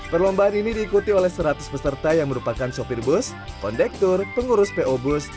perlombaan ini diikuti oleh seratus peserta yang merupakan sopir bus kondektur pengurus po bus